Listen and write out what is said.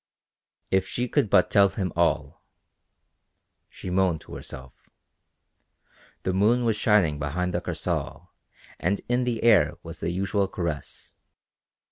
If she could but tell him all! She moaned to herself. The moon was shining behind the Kursaal and in the air was the usual caress.